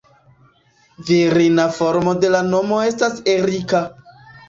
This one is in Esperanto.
Virina formo de la nomo estas Erika.